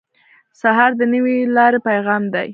سهار د نوې لارې پیغام دی.